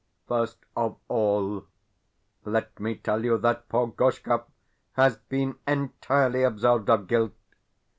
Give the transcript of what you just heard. First of all, let me tell you that poor Gorshkov has been entirely absolved of guilt.